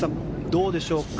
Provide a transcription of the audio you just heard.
どうでしょうか。